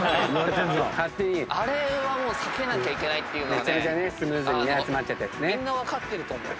あれは避けなきゃいけないってのはみんな分かってると思う。